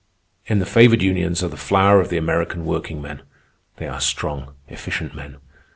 "In the favored unions are the flower of the American workingmen. They are strong, efficient men.